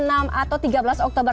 atau tiga belas oktober